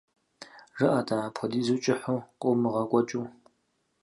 ЖыӀэ-тӀэ, апхуэдизу кӀыхьу къыумыгъэкӀуэкӀыу.